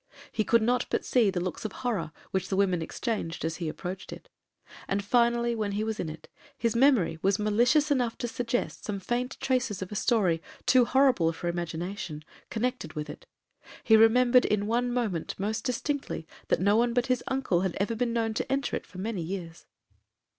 He could not but see the looks of horror which the women exchanged as he approached it. And, finally, when he was in it, his memory was malicious enough to suggest some faint traces of a story, too horrible for imagination, connected with it. He remembered in one moment most distinctly, that no one but his uncle had ever been known to enter it for many years.